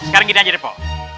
sekarang gini aja pok